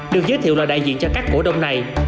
được giới thiệu là đại diện cho các cổ đông này